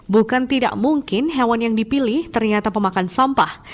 bukan tidak mungkin hewan yang dipilih ternyata pemakan sampah